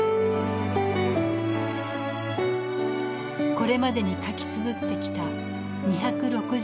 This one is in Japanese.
これまでに書きつづってきた２６７通。